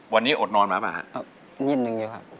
วันนี้อดนอนมาป่ะฮะนิดนึงเยอะครับ